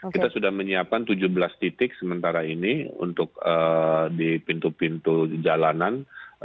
kita sudah menyiapkan tujuh belas titik sementara ini untuk di pintu pintu jalanan